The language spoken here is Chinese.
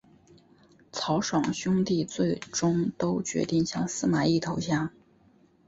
曹爽兄弟最终都决定向司马懿投降。